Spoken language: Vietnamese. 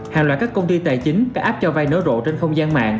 hàng loạt các công ty tài chính cả app cho vay nở rộ trên không gian